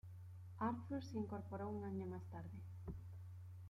Arthur se incorporó un año más tarde.